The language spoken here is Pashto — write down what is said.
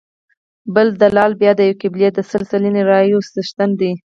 بل دلال بیا د یوې قبیلې د سل سلنې رایو څښتن دی.